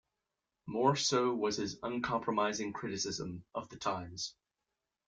More so was his uncompromising criticism of the times.